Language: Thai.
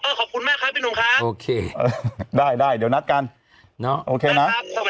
ขอบคุณมากครับพี่หนุ่มคะโอเคได้ได้เดี๋ยวนัดกันเนาะโอเคนะ